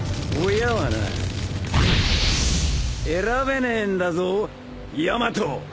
親はな選べねえんだぞヤマト。